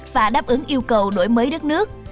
và đáp ứng yêu cầu đổi mới đất nước